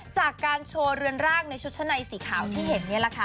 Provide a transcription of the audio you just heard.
จากการโชว์เรือนร่างในชุดชะในสีขาวที่เห็นนี่แหละค่ะ